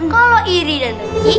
kalau iri dan neki